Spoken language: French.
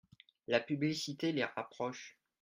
La publicité les rapproche.